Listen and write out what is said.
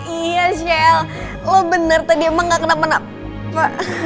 iya shell lo bener tadi emang gak kenapa napa